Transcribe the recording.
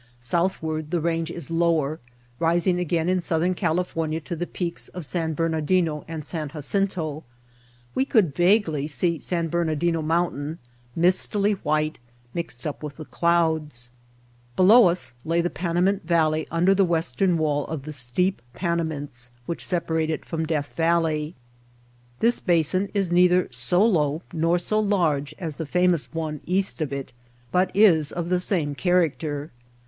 South ward the range is lower, rising again in Southern California to the peaks of San Bernadino and San Jacinto. We could vaguely see San Ber [i68] The Mountain Spring nadino Mountain, mistily white, mixed up with the clouds. Below us lay the Panamint Valley under the western wall of the steep Panamints which separate it from Death Valley. This basin is neither so low nor so large as the famous one east of it, but is of the same character.